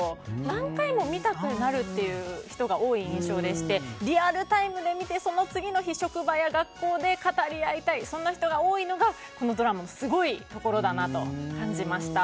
何回も見たくなるっていう人が多い印象でしてリアルタイムで見て次の日職場、学校で語り合いたい人が多いのがこのドラマのすごいところだなと感じました。